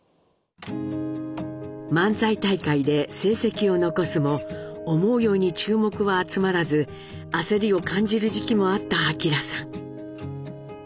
漫才大会で成績を残すも思うように注目は集まらず焦りを感じる時期もあった明さん。